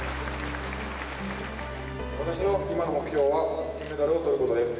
私の今の目標は金メダルをとることです。